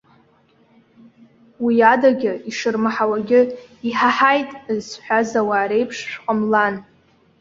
Уи адагьы, ишырмаҳауагьы:- Иҳаҳаит!- зҳәаз ауаа реиԥш шәҟамлан.